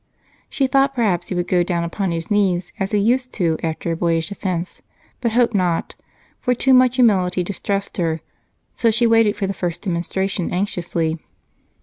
She thought perhaps he would go down upon his knees, as he used to after a boyish offense, but hoped not, for too much humility distressed her, so she waited for the first demonstration anxiously.